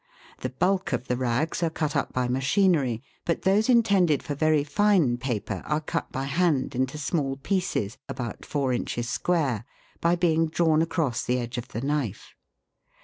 The bulk of the rags are cut up by machinery, but those intended for very fine paper are cut by hand into small pieces, about four inches square, by being drawn across the edge of the knife.